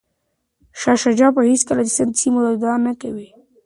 شاه شجاع به هیڅکله د سند د سیمو ادعا نه کوي.